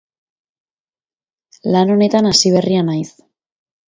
Lan honetan hasiberria naiz.